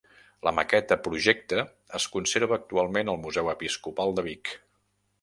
La maqueta projecte es conserva actualment al Museu Episcopal de Vic.